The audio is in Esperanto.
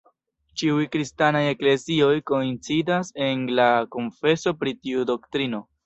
Ĉiuj kristanaj eklezioj koincidas en la konfeso pri tiu doktrino.